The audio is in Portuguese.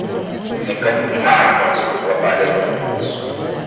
Um mecânico de macacão azul trabalha em um ônibus.